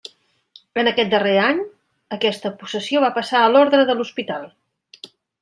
En aquest darrer any, aquesta possessió va passar a l'Orde de l'Hospital.